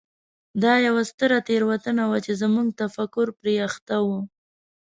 دا یوه ستره تېروتنه وه چې زموږ تفکر پرې اخته و.